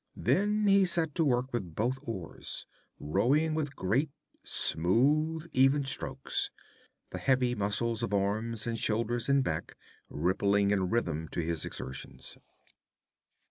Then he set to work with both oars, rowing with great, smooth, even strokes, the heavy muscles of arms and shoulders and back rippling in rhythm to his exertions.